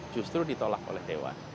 justru ditolak oleh dewan